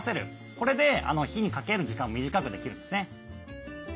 これで火にかける時間を短くできるんですね。